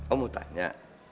om mau tanya